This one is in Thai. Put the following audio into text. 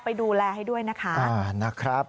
ไปดูแลให้ด้วยนะคะนะครับ